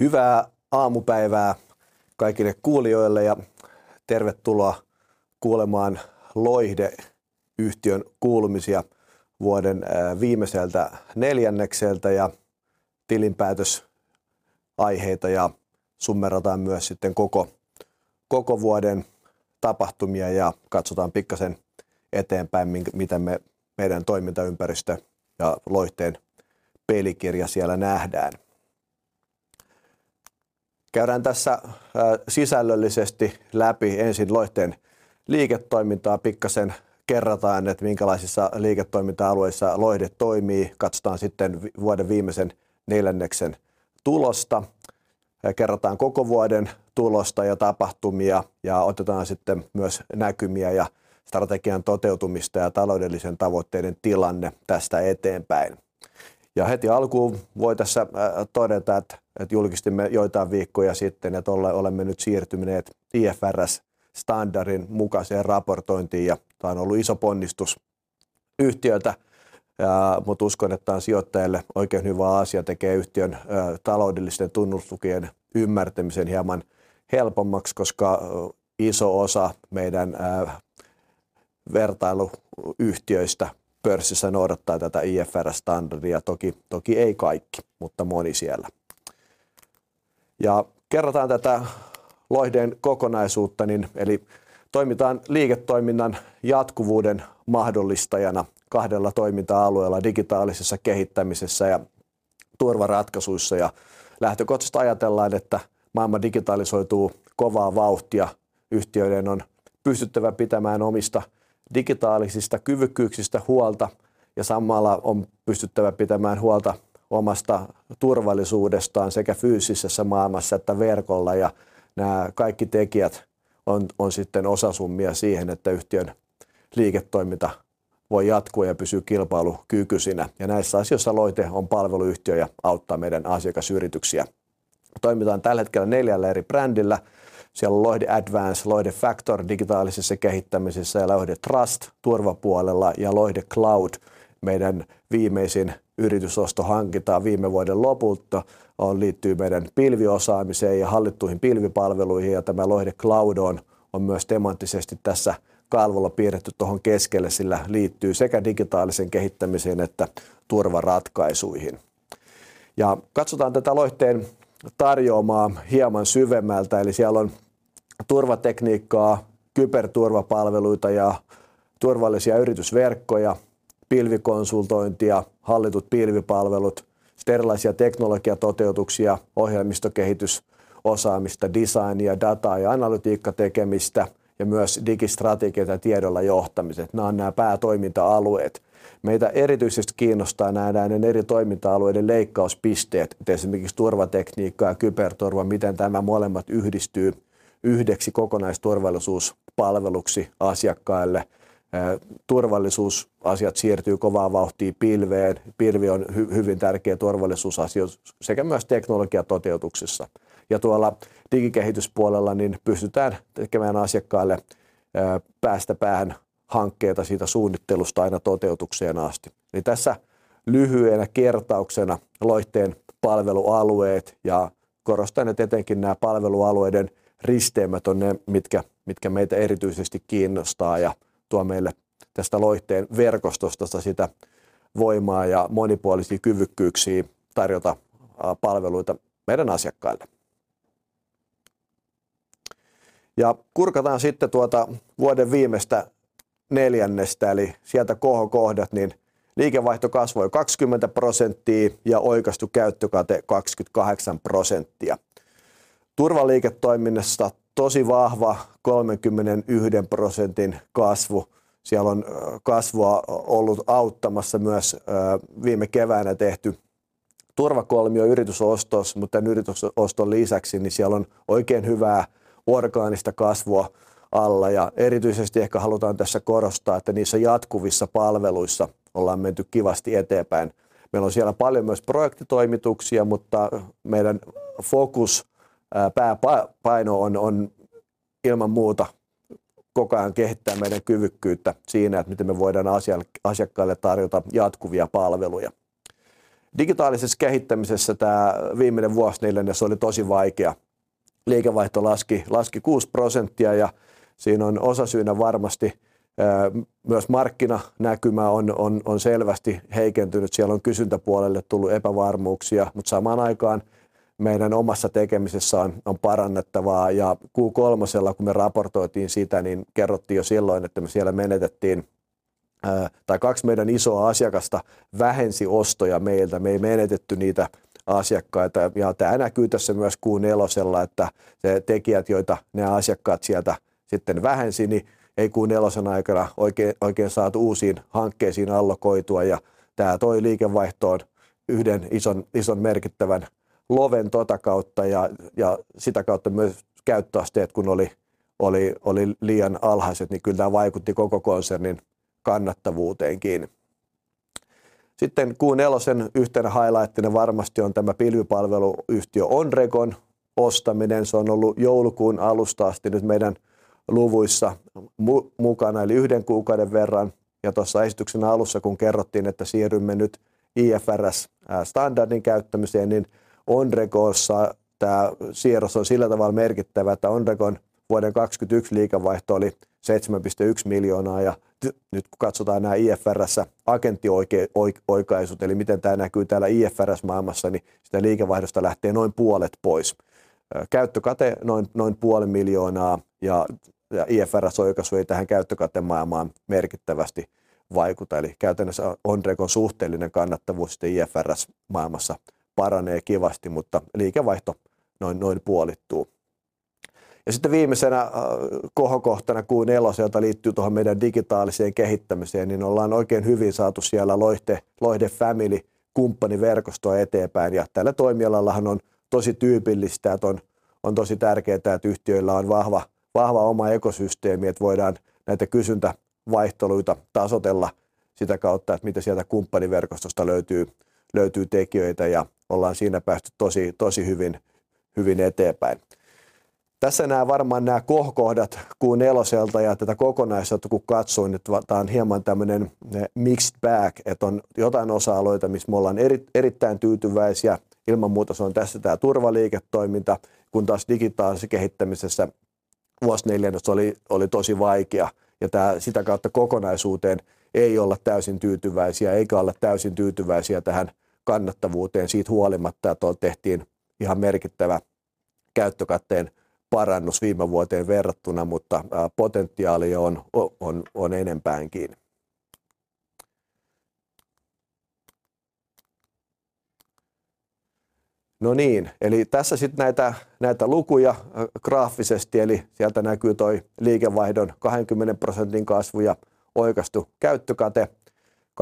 Hyvää aamupäivää kaikille kuulijoille ja tervetuloa kuulemaan Loihde yhtiön kuulumisia vuoden viimeiseltä neljännekseltä ja tilinpäätösaiheita ja summeerataan myös sitten koko vuoden tapahtumia ja katsotaan pikkasen eteenpäin, miten me meidän toimintaympäristö ja Loihdeen pelikirja siellä nähdään. Käydään tässä sisällöllisesti läpi ensin Loihdeen liiketoimintaa. Pikkasen kerrataan, että minkälaisissa liiketoiminta alueissa Loihde toimii. Katsotaan sitten vuoden viimeisen neljänneksen tulosta. Kerrataan koko vuoden tulosta ja tapahtumia ja otetaan sitten myös näkymiä ja strategian toteutumista ja taloudellisten tavoitteiden tilanne tästä eteenpäin. Heti alkuun voi tässä todeta, että julkistimme joitain viikkoja sitten, että olemme nyt siirtyneet IFRS standardin mukaiseen raportointiin ja tämä on ollut iso ponnistus yhtiöltä, mutta uskon, että tämä on sijoittajille oikein hyvä asia. Tekee yhtiön taloudellisten tunnuslukujen ymmärtämisen hieman helpommaksi, koska iso osa meidän vertailuyhtiöistä pörssissä noudattaa tätä IFRS standardia. Toki ei kaikki, mutta moni siellä. Kerrataan tätä Loihdeen kokonaisuutta niin eli toimitaan liiketoiminnan jatkuvuuden mahdollistajana kahdella toiminta-alueella digitaalisessa kehittämisessä ja turvaratkaisuissa. Lähtökohtaisesti ajatellaan, että maailma digitalisoituu kovaa vauhtia. Yhtiöiden on pystyttävä pitämään omista digitaalisista kyvykkyyksistä huolta ja samalla on pystyttävä pitämään huolta omasta turvallisuudestaan sekä fyysisessä maailmassa että verkolla. Nää kaikki tekijät on sitten osasummia siihen, että yhtiön liiketoiminta voi jatkua ja pysyy kilpailukykyisenä. Näissä asioissa Loihde on palveluyhtiö ja auttaa meidän asiakasyrityksiä. Toimitaan tällä hetkellä neljällä eri brändillä. Siellä on Loihde Advance, Loihde Factor digitaalisessa kehittämisessä ja Loihde Trust turvapuolella ja Loihde Cloudon. Meidän viimeisin yritysosto hankitaan viime vuoden lopulta on liittyy meidän pilviosaamiseen ja hallittuihin pilvipalveluihin. Tämä Loihde Cloudon on myös temaattisesti tässä kalvolla piirretty tuohon keskelle, sillä liittyy sekä digitaaliseen kehittämiseen että turvaratkaisuihin. Katsotaan tätä Loihteen tarjoomaa hieman syvemmältä. Siellä on turvatekniikkaa, kyberturvapalveluita ja turvallisia yritysverkkoja, pilvikonsultointia, hallitut pilvipalvelut, erilaisia teknologiatoteutuksia, ohjelmistokehitysosaamista, designia, dataa ja analytiikkatekemistä ja myös digistrategiaa ja tiedolla johtamiset. Nää on nää päätoiminta-alueet. Meitä erityisesti kiinnostaa nähdä näiden eri toiminta-alueiden leikkauspisteet, kuten esimerkiksi turvatekniikka ja kyberturva. Miten tämä molemmat yhdistyy yhdeksi kokonaisturvallisuuspalveluksi asiakkaille? Turvallisuusasiat siirtyy kovaa vauhtia pilveen. Pilvi on hyvin tärkeä turvallisuusasioissa sekä myös teknologiatoteutuksissa ja tuolla digikehityspuolella niin pystytään tekemään asiakkaille päästä päähän hankkeita siitä suunnittelusta aina toteutukseen asti. Tässä lyhyenä kertauksena Loihteen palvelualueet ja korostan, että etenkin nämä palvelualueiden risteämät on ne mitkä meitä erityisesti kiinnostaa ja tuo meille tästä Loihteen verkostosta sitä voimaa ja monipuolisia kyvykkyyksiä tarjota palveluita meidän asiakkaille. Kurkataan sitten tuota vuoden viimeistä neljännestä eli sieltä kohokohdat, niin liikevaihto kasvoi 20% ja oikaistu käyttökate 28%. Turvaliiketoiminnassa tosi vahva 31% kasvu. Siellä on kasvua ollut auttamassa myös viime keväänä tehty Turvakolmio yritysostoissa, tämän yritysoston lisäksi niin siellä on oikein hyvää orgaanista kasvua alla ja erityisesti ehkä halutaan tässä korostaa, että niissä jatkuvissa palveluissa ollaan menty kivasti eteenpäin. Meillä on siellä paljon myös projektitoimituksia, meidän fokus pääpaino on ilman muuta koko ajan kehittää meidän kyvykkyyttä siinä, miten me voidaan asiakkaille tarjota jatkuvia palveluja. Digitaalisessa kehittämisessä tää viimeinen vuosineljännes oli tosi vaikea. Liikevaihto laski 6% ja siinä on osasyynä varmasti myös markkinanäkymä on selvästi heikentynyt. Siellä on kysyntäpuolelle tullut epävarmuuksia, samaan aikaan meidän omassa tekemisessä on parannettavaa. Q3:lla kun me raportoitiin siitä, niin kerrottiin jo silloin, että me siellä menetetään tai 2 meidän isoa asiakasta vähensi ostoja meiltä. Me ei menetetty niitä asiakkaita. Tää näkyy tässä myös Q4:llä, että ne tekijät, joita nää asiakkaat sieltä sitten vähensi, niin ei Q4:n aikana oikein saatu uusiin hankkeisiin allokoitua. Tää toi liikevaihtoon yhden ison merkittävän loven tota kautta. Sitä kautta myös käyttöasteet kun oli liian alhaiset, niin kyllä tää vaikutti koko konsernin kannattavuuteenkin. Q4:n yhtenä highlightina varmasti on tämä pilvipalveluyhtiö Onrego ostaminen. Se on ollut joulukuun alusta asti nyt meidän luvuissa mukana eli yhden kuukauden verran. Tossa esityksen alussa kun kerrottiin, että siirrymme nyt IFRS:ää standardin käyttämiseen, niin Onregossa tää siirros on sillä tavalla merkittävä, että Onregon vuoden 2021 liikevaihto oli EUR 7.1 miljoonaa. Nyt kun katsotaan nää IFRS:ssä agenttioikaisut eli miten tää näkyy täällä IFRS maailmassa, niin siitä liikevaihdosta lähtee noin puolet pois. Käyttökate noin half a million EUR ja IFRS oikaisu ei tähän käyttökate maailmaan merkittävästi vaikuta. Käytännössä Onregon suhteellinen kannattavuus sitten IFRS maailmassa paranee kivasti, mutta liikevaihto noin puolittuu. Sitten viimeisenä kohokohtana Q4 liittyy tuohon meidän digitaaliseen kehittämiseen, niin ollaan oikein hyvin saatu siellä Loiste Loihde Family kumppaniverkostoa eteenpäin. Tällä toimialallahan on tosi tyypillistä, että on tosi tärkeetä, että yhtiöillä on vahva oma ekosysteemi, että voidaan näitä kysyntävaihteluita tasoitella sitä kautta, että mitä sieltä kumppaniverkostosta löytyy tekijöitä ja ollaan siinä päästy tosi hyvin eteenpäin. Tässä nää varmaan nää kohokohdat Q4 ja tätä kokonaisuutta kun katsoin, et tää on hieman tämmönen mixed bag, et on jotain osa-alueita missä me ollaan erittäin tyytyväisiä. Ilman muuta se on tässä tää turvaliiketoiminta, kun taas digitaalisessa kehittämisessä vuosi 2014 oli tosi vaikea ja tää sitä kautta kokonaisuuteen ei olla täysin tyytyväisiä eikä olla täysin tyytyväisiä tähän kannattavuuteen. Siitä huolimatta, että tuolla tehtiin ihan merkittävä käyttökatteen parannus viime vuoteen verrattuna, potentiaalia on enempäänkin. Tässä sitten näitä lukuja graafisesti, sieltä näkyy tuo liikevaihdon 20% kasvu ja oikaistu käyttökate 28%.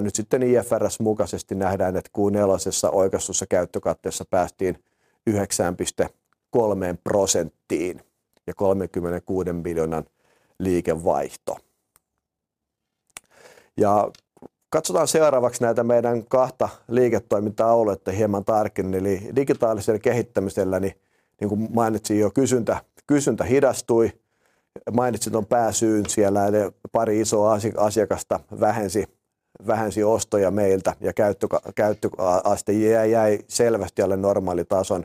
Nyt sitten IFRS mukaisesti nähdään, että Q4:ssä oikaistussa käyttökatteessa päästiin 9.3%:iin ja EUR 36 million liikevaihto. Katsotaan seuraavaksi näitä meidän kahta liiketoiminta-aluetta hieman tarkemmin. Digitaalisella kehittämisellä niin kuin mainitsin jo kysyntä hidastui. Mainitsin tuon pääsyyn siellä pari isoa asiakasta vähensi ostoja meiltä ja käyttöaste jäi selvästi alle normaalitason.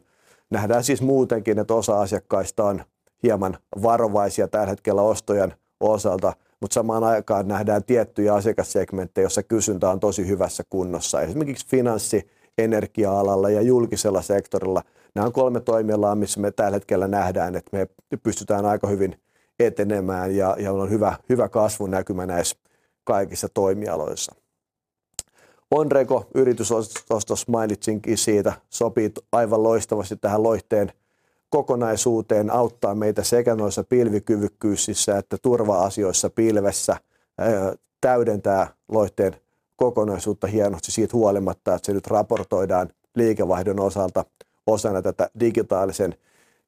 Nähdään siis muutenkin, että osa asiakkaista on hieman varovaisia tällä hetkellä ostojen osalta, mutta samaan aikaan nähdään tiettyjä asiakassegmenttejä, joissa kysyntä on tosi hyvässä kunnossa, esimerkiksi finanssi energia-alalla ja julkisella sektorilla. Nää on three toimialaa, missä me tällä hetkellä nähdään, että me pystytään aika hyvin etenemään ja meil on hyvä kasvunäkymä näis kaikissa toimialoissa. Onrego yritysostos mainitsinkin siitä, sopii aivan loistavasti tähän Loihdeen kokonaisuuteen, auttaa meitä sekä noissa pilvikyvykkyysissä että turva-asioissa pilvessä täydentää Loihdeen kokonaisuutta hienosti. Siit huolimatta, että se nyt raportoidaan liikevaihdon osalta osana tätä digitaalisen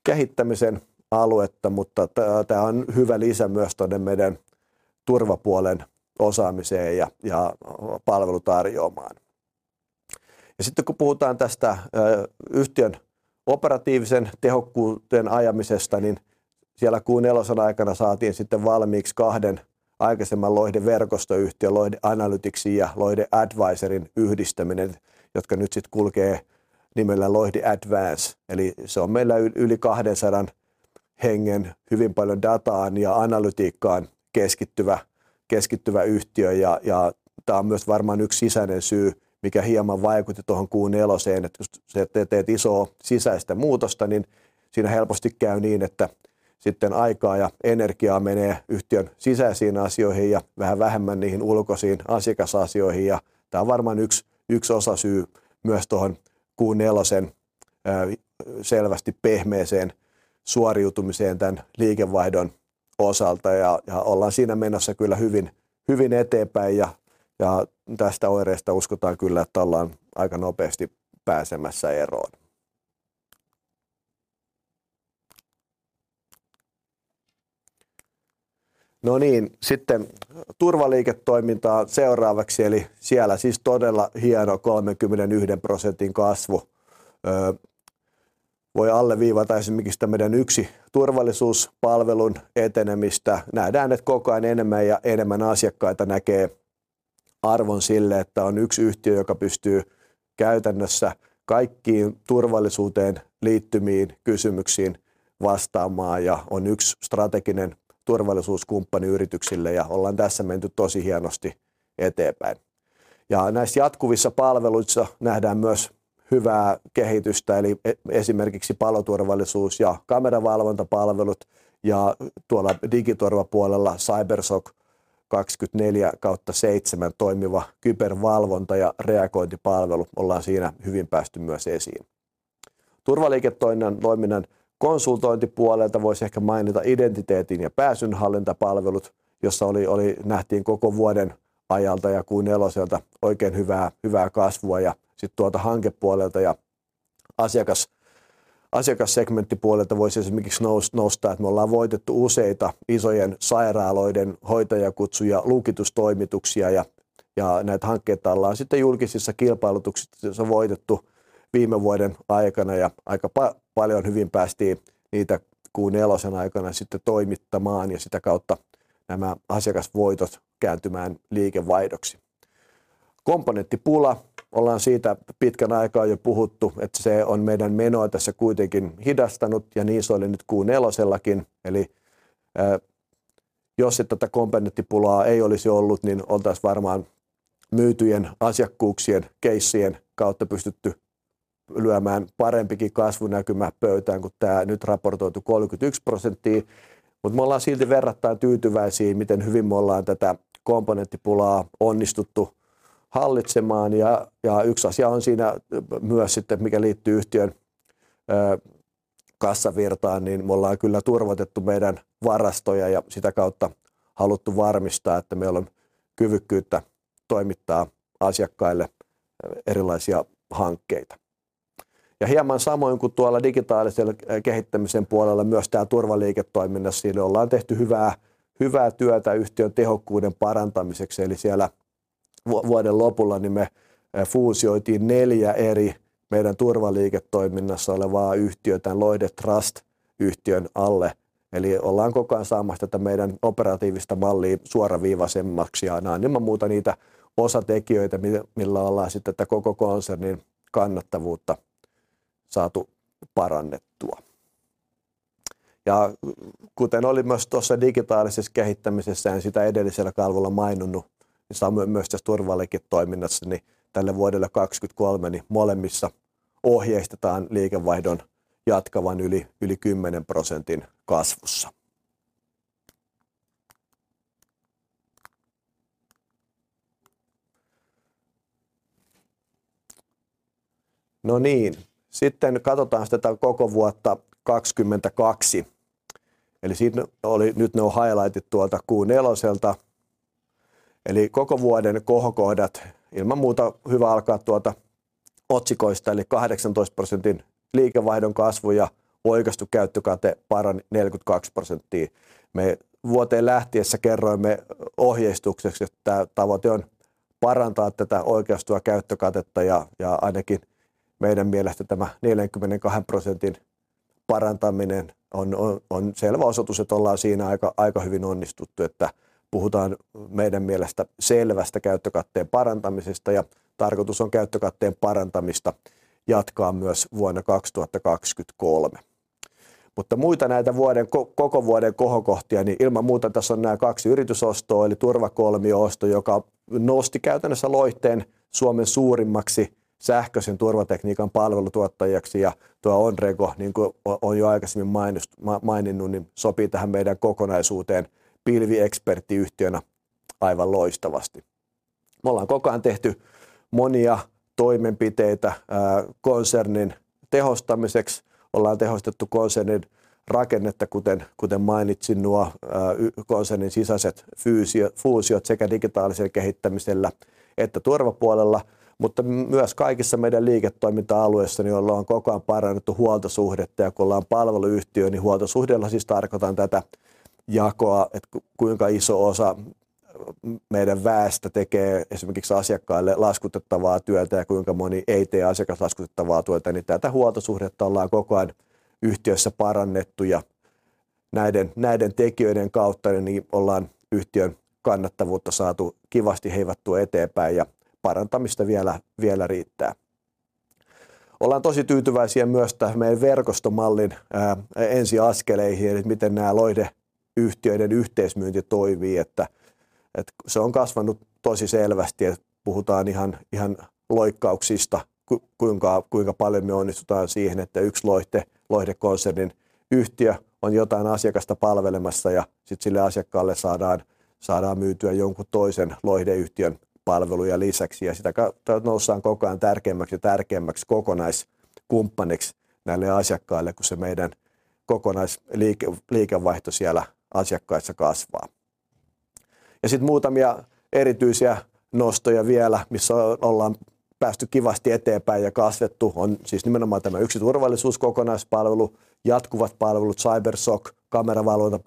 kehittämisen aluetta. Tää on hyvä lisä myös tuonne meidän turvapuolen osaamiseen ja palvelutarjoomaan. Sitten kun puhutaan tästä yhtiön operatiivisen tehokkuuden ajamisesta, niin siellä Q4 aikana saatiin sitten valmiiksi two aikaisemman Loihde-verkostoyhtiön, Loihde Analyticsin ja Loihde Advisoryn yhdistäminen, jotka nyt sitten kulkee nimellä Loihde Advance. Eli se on meillä yli 200 hengen hyvin paljon dataan ja analytiikkaan keskittyvä yhtiö. Tää on myös varmaan yksi sisäinen syy, mikä hieman vaikutti tuohon kuun neloseen, että just se, että teet isoa sisäistä muutosta, niin siinä helposti käy niin, että sitten aikaa ja energiaa menee yhtiön sisäisiin asioihin ja vähän vähemmän niihin ulkoisiin asiakasasioihin. Tää on varmaan yks osasyy myös tuohon kuun nelosen selvästi pehmeeseen suoriutumiseen tän liikevaihdon osalta. Ollaan siinä menossa kyllä hyvin eteenpäin. Tästä oireesta uskotaan kyllä, että ollaan aika nopeasti pääsemässä eroon. No niin, sitten turvaliiketoimintaa seuraavaksi. Eli siellä siis todella hieno 31 %:n kasvu. Voi alleviivata esimerkiksi tämmöinen yksi turvallisuuspalvelun etenemistä. Nähdään, että koko ajan enemmän ja enemmän asiakkaita näkee arvon sille, että on yksi yhtiö, joka pystyy käytännössä kaikkiin turvallisuuteen liittyviin kysymyksiin vastaamaan ja on yksi strateginen turvallisuuskumppani yrityksille. Ollaan tässä menty tosi hienosti eteenpäin. Näis jatkuvissa palveluissa nähdään myös hyvää kehitystä eli esimerkiksi paloturvallisuus ja kameravalvontapalvelut. Tuolla digiturvapuolella CSOC 24/7 toimiva kybervalvonta ja reagointipalvelu. Ollaan siinä hyvin päästy myös esiin. Turvaliiketoiminnan toiminnan konsultointipuolelta voisi ehkä mainita identiteetin ja pääsynhallintapalvelut, joissa nähtiin koko vuoden ajalta ja Q4:ltä oikein hyvää hyvää kasvua. Sitten tuolta hankepuolelta ja asiakassegmenttipuolelta voisi esimerkiksi nostaa, että me ollaan voitettu useita isojen sairaaloiden hoitajakutsu- ja lukitustoimituksia ja näitä hankkeita ollaan sitten julkisissa kilpailutuksissa voitettu Viime vuoden aikana ja aika paljon hyvin päästiin niitä Q4:n aikana sitten toimittamaan ja sitä kautta nämä asiakasvoitot kääntymään liikevaihdoksi. Komponenttipula. Ollaan siitä pitkän aikaa jo puhuttu, että se on meidän menoja tässä kuitenkin hidastanut ja niin se oli nyt Q4:lläkin. Jos sitä komponenttipulaa ei olisi ollut, niin oltaisiin varmaan myytyjen asiakkuuksien casejen kautta pystytty lyömään parempikin kasvunäkymä pöytään kuin tää nyt raportoitu 30%. Me ollaan silti verrattain tyytyväisiä miten hyvin me ollaan tätä komponenttipulaa onnistuttu hallitsemaan. Yksi asia on siinä myös sitten mikä liittyy yhtiön kassavirtaan, niin me ollaan kyllä turvatettu meidän varastoja ja sitä kautta haluttu varmistaa, että meillä on kyvykkyyttä toimittaa asiakkaille erilaisia hankkeita. Hieman samoin kuin tuolla digitaalisen kehittämisen puolella, myös tää turvaliiketoiminnassa, siinä ollaan tehty hyvää työtä yhtiön tehokkuuden parantamiseksi. Siellä vuoden lopulla niin me fuusioitiin neljä eri meidän turvaliiketoiminnassa olevaa yhtiötä Loihde Trust -yhtiön alle. Ollaan koko ajan saamassa tätä meidän operatiivista mallia suoraviivaisemmaksi ja nää on ilman muuta niitä osatekijöitä, millä ollaan sitten tätä koko konsernin kannattavuutta saatu parannettua. kuten oli myös tuossa digitaalisessa kehittämisessä, en sitä edellisellä kalvolla maininnut, niin samoin myös tässä turvaliiketoiminnassa niin tälle vuodelle 2023 niin molemmissa ohjeistetaan liikevaihdon jatkavan yli 10% kasvussa. katotaas tätä koko vuotta 2022. siinä oli nyt ne highlights tuolta Q4:ltä. koko vuoden kohokohdat. Ilman muuta hyvä alkaa tuota otsikoista. 18% liikevaihdon kasvu ja oikaistu käyttökate parani 42%. Me vuoteen lähtiessä kerroimme ohjeistukseksi, että tavoite on parantaa tätä oikaistua käyttökatetta ja ainakin meidän mielestä tämä 42% parantaminen on selvä osoitus, että ollaan siinä aika hyvin onnistuttu, että puhutaan meidän mielestä selvästä käyttökatteen parantamisesta ja tarkoitus on käyttökatteen parantamista jatkaa myös vuonna 2023. muita näitä vuoden koko vuoden kohokohtia, niin ilman muuta tässä on nää kaksi yritysostoa eli Turvakolmio osto, joka nosti käytännössä Loihdeen Suomen suurimmaksi sähköisen turvatekniikan palvelutuottajaksi. Tuo Onrego niin kuin on jo aikaisemmin maininnut, niin sopii tähän meidän kokonaisuuteen pilvieksperttiyhtiönä aivan loistavasti. Me ollaan koko ajan tehty monia toimenpiteitä konsernin tehostamiseksi. Ollaan tehostettu konsernin rakennetta. Kuten mainitsin, nuo konsernin sisäiset fuusiot sekä digitaalisella kehittämisellä että turvapuolella, mutta myös kaikissa meidän liiketoiminta-alueissa, niin ollaan koko ajan parannettu huoltosuhdetta. Kun ollaan palveluyhtiö, niin huoltosuhteella siis tarkoitan tätä jakoa, että kuinka iso osa meidän väestä tekee esimerkiksi asiakkaille laskutettavaa työtä ja kuinka moni ei tee asiakaslaskutettavaa työtä, niin tätä huoltosuhdetta ollaan koko ajan yhtiössä parannettu ja näiden tekijöiden kautta, niin ollaan yhtiön kannattavuutta saatu kivasti heivattua eteenpäin ja parantamista vielä riittää. Ollaan tosi tyytyväisiä myös tähän meidän verkostomallin ensi askeleihin. Et miten nää Loihde-yhtiöiden yhteismyynti toimii, että se on kasvanut tosi selvästi. Puhutaan ihan loikkauksista. Kuinka paljon me onnistutaan siihen, että yksi Loihde-konsernin yhtiö on jotain asiakasta palvelemassa ja sitten sille asiakkaalle saadaan myytyä jonkun toisen Loihde-yhtiön palveluja lisäksi ja sitä noustaan koko ajan tärkeämmäksi ja tärkeämmäksi kokonaiskumppaniksi näille asiakkaille, kun se meidän kokonaisliikevaihto siellä asiakkaissa kasvaa. Sitten muutamia erityisiä nostoja vielä, missä ollaan päästy kivasti eteenpäin ja kasvettu on siis nimenomaan tämä Turvallisuuskokonaispalvelu, jatkuvat palvelut, CSOC 24/7, kameravalvonta,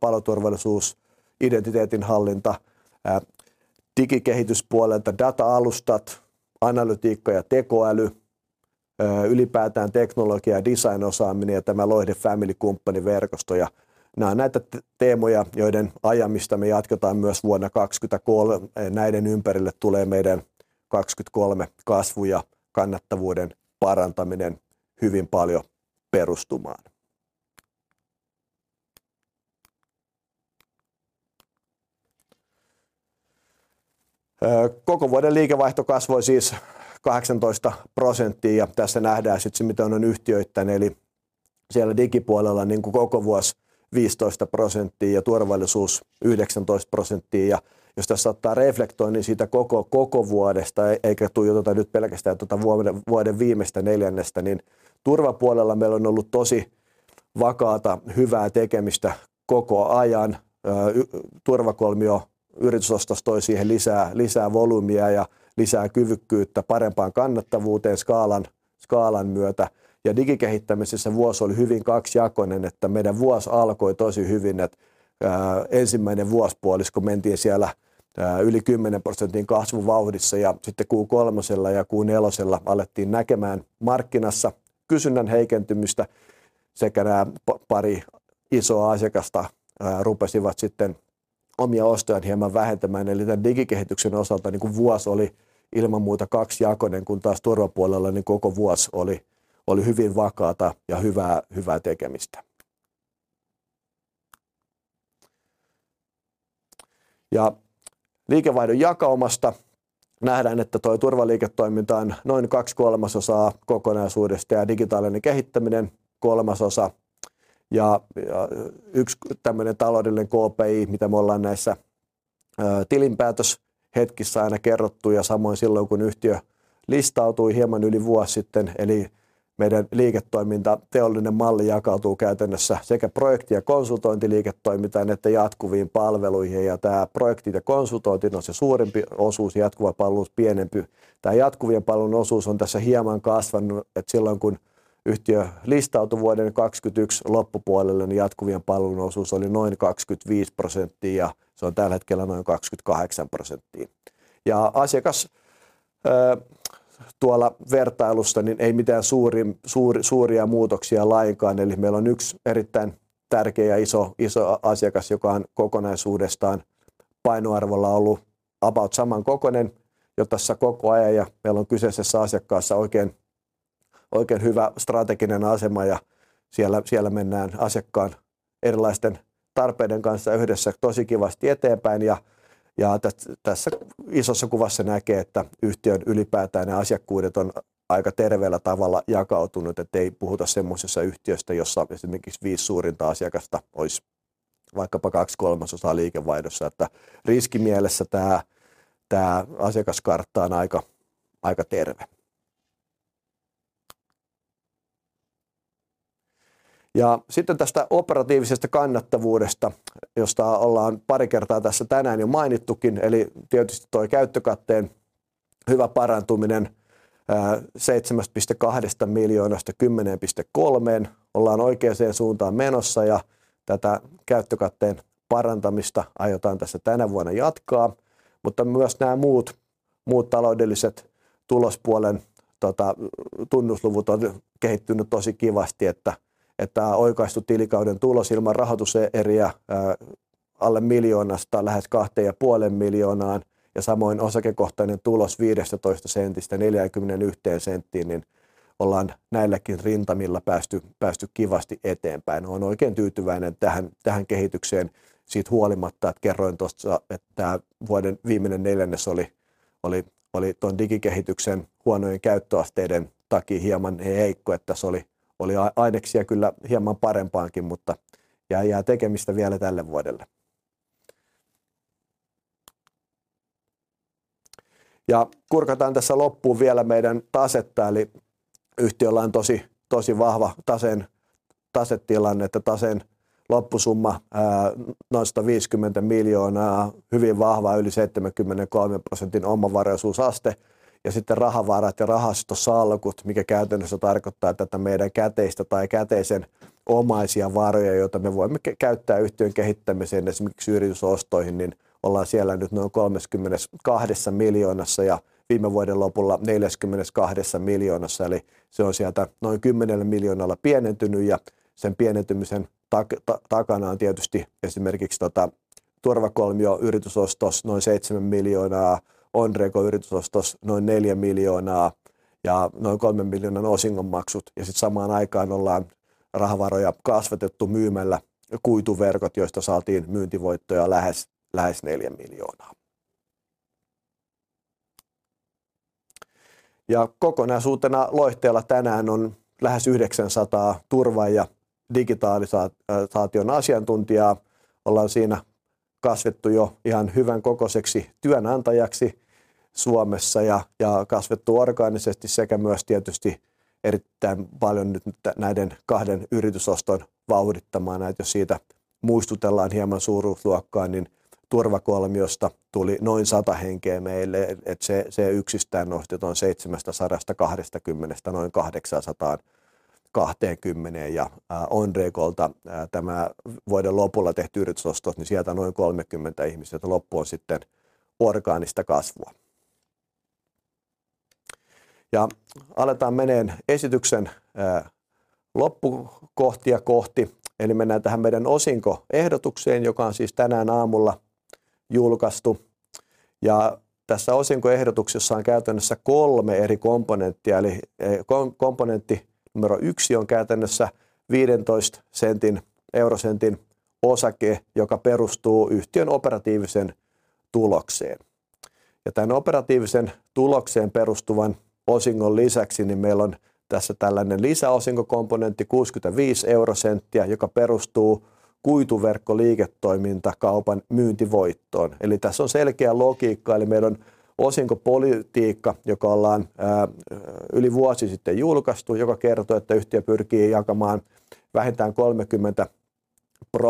paloturvallisuus, identiteetinhallinta, digikehityspuolta, data-alustat, analytiikka ja tekoäly, ylipäätään teknologia ja designosaaminen ja tämä Loihde Family Company -verkosto ja nää on näitä teemoja, joiden ajamista me jatketaan myös vuonna 2023. Näiden ympärille tulee meidän 2023 kasvu ja kannattavuuden parantaminen hyvin paljon perustumaan. Koko vuoden liikevaihto kasvoi siis 18% ja tässä nähdään sitten se, miten on yhtiöittäin. Eli siellä digipuolella niinku koko vuosi 15% ja turvallisuus 19%. Jos tässä ottaa reflektoinnin siitä koko vuodesta eikä tuijoteta nyt pelkästään tuota vuoden viimeistä neljännestä, niin turvapuolella meillä on ollut tosi vakaata hyvää tekemistä koko ajan. Turvakolmio yritysosto toi siihen lisää volyymia ja lisää kyvykkyyttä parempaan kannattavuuteen skaalan myötä ja digikehittämisessä vuosi oli hyvin kaksijakoinen, että meidän vuosi alkoi tosi hyvin, et ensimmäinen vuosipuolisko mentiin siellä...yli 10% kasvuvauhdissa ja sitten Q3:lla ja Q4:llä alettiin näkemään markkinassa kysynnän heikentymistä sekä nää pari isoa asiakasta rupesivat sitten omia ostojaan hieman vähentämään. Eli tän digikehityksen osalta niinku vuos oli ilman muuta kaksijakoinen, kun taas turvapuolella niin koko vuos oli hyvin vakaata ja hyvää tekemistä. Liikevaihdon jakaumasta nähdään, että toi turvaliiketoiminta on noin 2/3 kokonaisuudesta ja digitaalinen kehittäminen 1/3. yks tämmönen taloudellinen KPI mitä me ollaan näissä tilinpäätöshetkissä aina kerrottu ja samoin silloin kun yhtiö listautui hieman yli vuos sitten. meidän liiketoiminta teollinen malli jakautuu käytännössä sekä projekti- ja konsultointiliiketoimintaan että jatkuviin palveluihin. tää projektit ja konsultointi on se suurempi osuus, jatkuva palvelu pienempi. tää jatkuvien palvelun osuus on tässä hieman kasvanut, et silloin kun yhtiö listautui vuoden 2021 loppupuolella, niin jatkuvien palvelujen osuus oli noin 25% ja se on tällä hetkellä noin 28%. asiakas tuolla vertailussa niin ei mitään suuria muutoksia lainkaan. Eli meillä on 1 erittäin tärkeä ja iso asiakas, joka on kokonaisuudestaan painoarvolla ollu about saman kokoinen jo tässä koko ajan ja meillä on kyseisessä asiakkaassa oikein hyvä strateginen asema ja siellä mennään asiakkaan erilaisten tarpeiden kanssa yhdessä tosi kivasti eteenpäin ja tässä isossa kuvassa näkee, että yhtiön ylipäätään ne asiakkuudet on aika terveellä tavalla jakautunut, et ei puhuta semmosesta yhtiöstä, jossa esimerkiksi 5 suurinta asiakasta ois vaikkapa 2/3 liikevaihdossa. Että riskimielessä tää asiakaskartta on aika terve. Ja sitten tästä operatiivisesta kannattavuudesta, josta ollaan pari kertaa tässä tänään jo mainittukin. Eli tietysti toi käyttökatteen hyvä parantuminen EUR 7.2 miljoonasta EUR 10.3. Ollaan oikeeseen suuntaan menossa ja tätä käyttökatteen parantamista aiotaan tässä tänä vuonna jatkaa. Myös nää muut taloudelliset tulospuolen tunnusluvut on kehittynyt tosi kivasti, että oikaistu tilikauden tulos ilman rahoituseriä alle EUR 1 millionista lähes EUR 2.5 miljoonaan ja samoin osakekohtainen tulos EUR 0.15:stä EUR 0.41:een, niin ollaan näilläkin rintamilla päästy kivasti eteenpäin. Oon oikein tyytyväinen tähän kehitykseen siitä huolimatta, että kerroin tuossa, että tää vuoden viimeinen neljännes oli ton digikehityksen huonojen käyttöasteiden takia hieman heikko. Se oli aineksia kyllä hieman parempaankin, jää tekemistä vielä tälle vuodelle. Kurkataan tässä loppuun vielä meidän tasetta. Yhtiöllä on tosi vahva tasetilanne, taseen loppusumma noin EUR 150 miljoonaa. Hyvin vahva, yli 73%:n omavaraisuusaste. Sitten rahavarat ja rahastosalkut, mikä käytännössä tarkoittaa, tätä meidän käteistä tai käteisen omaisia varoja, joita me voimme käyttää yhtiön kehittämiseen, esimerkiksi yritysostoihin, niin ollaan siellä nyt noin EUR 32 miljoonassa ja viime vuoden lopulla EUR 42 miljoonassa. Eli se on sieltä noin EUR 10 million pienentynyt ja sen pienentymisen takana on tietysti esimerkiksi tota Turvakolmio yritysostos noin EUR 7 million, Onregon yritysostos noin EUR 4 million ja noin EUR 3 million osingonmaksut. Sit samaan aikaan ollaan rahavaroja kasvatettu myymällä kuituverkot, joista saatiin myyntivoittoja lähes EUR 4 million. Kokonaisuutena Loihdeella tänään on lähes 900 turva- ja digitalisaation asiantuntijaa. Ollaan siinä kasvettu jo ihan hyvän kokoiseksi työnantajaksi Suomessa ja kasvettu orgaanisesti sekä myös tietysti erittäin paljon nyt näiden kahden yritysoston vauhdittamana, et jos siitä muistutellaan hieman suuruusluokkaa, niin Turvakolmiosta tuli noin 100 henkeä meille. Et se yksistään nosti ton 720 noin 820 ja Onregolta tämän vuoden lopulla tehty yritysostos, niin sieltä noin 30 ihmistä ja loppu on sitten orgaanista kasvua. Aletaan meneen esityksen loppukohtia kohti. Eli mennään tähän meidän osinkoehdotukseen, joka on siis tänään aamulla julkaistu. Tässä osinkoehdotuksessa on käytännössä 3 eri komponenttia, eli komponentti numero 1 on käytännössä EUR 0.15 osake, joka perustuu yhtiön operatiiviseen tulokseen. Tän operatiiviseen tulokseen perustuvan osingon lisäksi niin meillä on tässä tällainen lisäosinkokomponentti EUR 0.65, joka perustuu kuituverkkoliiketoimintakaupan myyntivoittoon. Tässä on selkeä logiikka. Meillä on osinkopolitiikka, joka ollaan yli vuosi sitten julkaistu, joka kertoo, että yhtiö pyrkii jakamaan vähintään 30%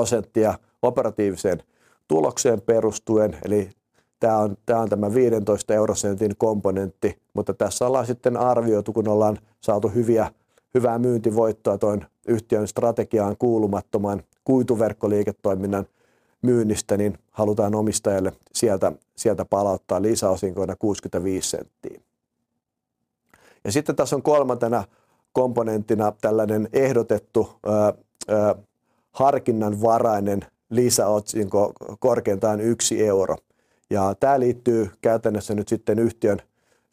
operatiiviseen tulokseen perustuen. Tää on tämä EUR 0.15 komponentti, mutta tässä ollaan sitten arvioitu, kun ollaan saatu Hyvää myyntivoittoa tuon yhtiön strategiaan kuulumattoman kuituverkkoliiketoiminnan myynnistä, niin halutaan omistajalle sieltä palauttaa lisäosinkoina EUR 0.65. Sitten tässä on kolmantena komponenttina tällainen ehdotettu, harkinnanvarainen lisäotsinko, korkeintaan EUR 1. Tää liittyy käytännössä nyt sitten yhtiön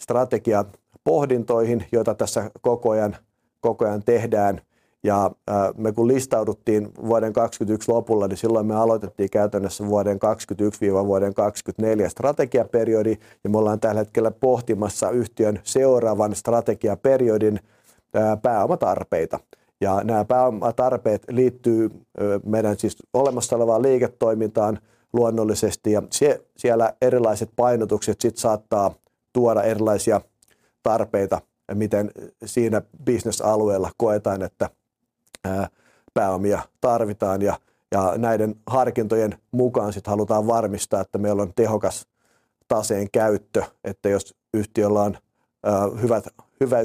strategiapohdintoihin, joita tässä koko ajan tehdään. Me kun listauduttiin vuoden 2021 lopulla, niin silloin me aloitettiin käytännössä vuoden 2021-2024 strategiaperiodi ja me ollaan tällä hetkellä pohtimassa yhtiön seuraavan strategiaperiodin pääomatarpeita. Nämä pääomatarpeet liittyy meidän siis olemassa olevaan liiketoimintaan luonnollisesti ja siellä erilaiset painotukset sitten saattaa tuoda erilaisia tarpeita, miten siinä businessalueella koetaan, että pääomia tarvitaan ja näiden harkintojen mukaan sitten halutaan varmistaa, että meillä on tehokas taseen käyttö, että jos yhtiöllä on hyvät,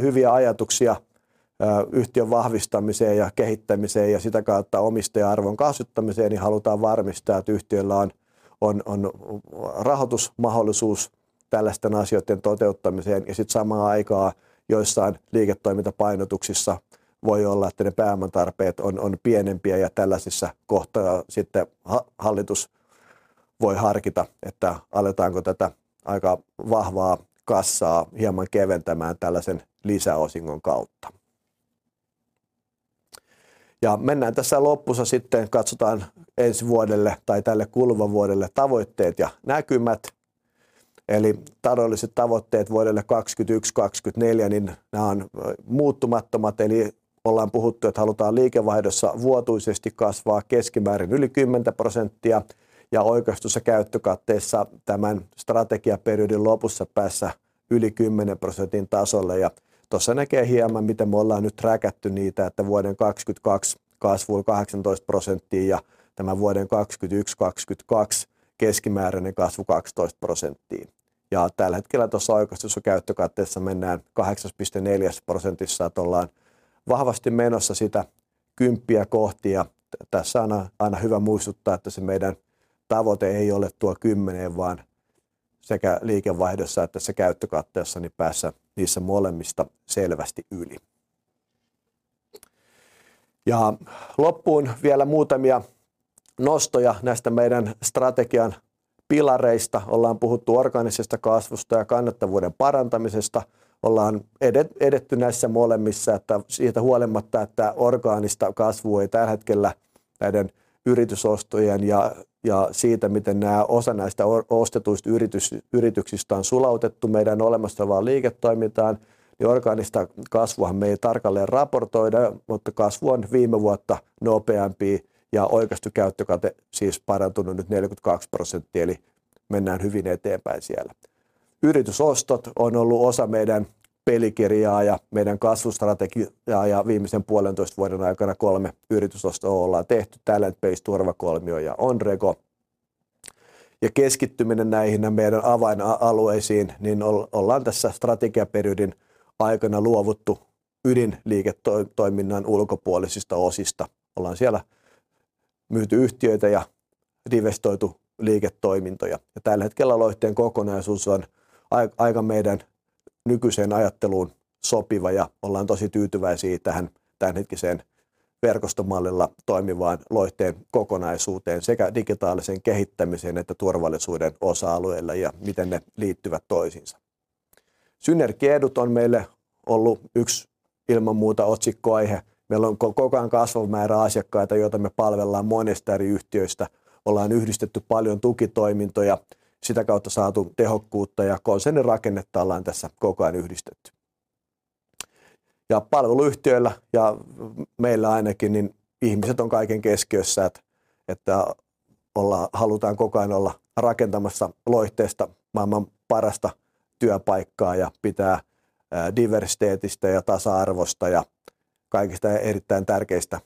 hyviä ajatuksia yhtiön vahvistamiseen ja kehittämiseen ja sitä kautta omistaja-arvon kasvattamiseen, niin halutaan varmistaa, että yhtiöllä on rahoitusmahdollisuus tällaisten asioitten toteuttamiseen ja sitten samaan aikaan joissain liiketoimintapainotuksissa voi olla, että ne pääoman tarpeet on pienempiä ja tällaisissa kohtaa sitten hallitus voi harkita, että aletaanko tätä aika vahvaa kassaa hieman keventämään tällaisen lisäosingon kautta. Mennään tässä lopussa sitten katsotaan ensi vuodelle tai tälle kuluvalle vuodelle tavoitteet ja näkymät. Taloudelliset tavoitteet vuodelle 2023, 2024, nää on muuttumattomat. Ollaan puhuttu, että halutaan liikevaihdossa vuotuisesti kasvaa keskimäärin yli 10% ja oikaistussa käyttökatteessa tämän strategiaperiodin lopussa päässä yli 10% tasolle. Tuossa näkee hieman miten me ollaan nyt träkätty niitä, että vuoden 2022 kasvu oli 18% ja tämän vuoden 2023, 2022 keskimääräinen kasvu 12% ja tällä hetkellä tuossa oikaistussa käyttökatteessa mennään 8.4%, että ollaan vahvasti menossa sitä 10 kohti. Tässä on aina hyvä muistuttaa, että se meidän tavoite ei ole tuo 10 vaan sekä liikevaihdossa että se käyttökatteessa päässä niissä molemmista selvästi yli. Loppuun vielä muutamia nostoja näistä meidän strategian pilareista. Ollaan puhuttu orgaanisesta kasvusta ja kannattavuuden parantamisesta. Ollaan edetty näissä molemmissa, että siitä huolimatta, että orgaanista kasvua ei tällä hetkellä näiden yritysostojen ja siitä, miten nää osa näistä ostetuista yrityksistä on sulautettu meidän olemassa olevaan liiketoimintaan, niin orgaanista kasvuhan me ei tarkalleen raportoida, mutta kasvu on viime vuotta nopeampaa ja oikaistu käyttökate siis parantunut nyt 42% eli mennään hyvin eteenpäin siellä. Yritysostot on ollu osa meidän pelikirjaa ja meidän kasvustrategiaa ja viimeisen puolentoista vuoden aikana kolme yritysostoa ollaan tehty Talent Base, Turvakolmio ja Onrego. Keskittyminen näihin meidän avainalueisiin, niin ollaan tässä strategiaperiodin aikana luovuttu ydinliiketoiminnan ulkopuolisista osista. Ollaan siellä myyty yhtiöitä ja investoitu liiketoimintoja ja tällä hetkellä Loihdeen kokonaisuus on aika meidän nykyiseen ajatteluun sopiva ja ollaan tosi tyytyväisiä tähän tänhetkiseen verkostomallilla toimivaan Loihdeen kokonaisuuteen sekä digitaaliseen kehittämiseen että turvallisuuden osa-alueille. Miten ne liittyvät toisiinsa. Synergiaedut on meille ollu yks ilman muuta otsikkoaihe. Meillä on koko ajan kasvanut määrä asiakkaita, joita me palvellaan monesta eri yhtiöistä. Ollaan yhdistetty paljon tukitoimintoja, sitä kautta saatu tehokkuutta ja konsernirakennetta ollaan tässä koko ajan yhdistetty. Palveluyhtiöillä ja meillä ainakin niin ihmiset on kaiken keskiössä, että halutaan koko ajan olla rakentamassa Loihteesta maailman parasta työpaikkaa ja pitää diversiteetistä ja tasa-arvosta ja kaikista erittäin tärkeistä